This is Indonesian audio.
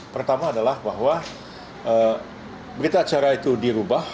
pertama adalah bahwa berita acara itu dirubah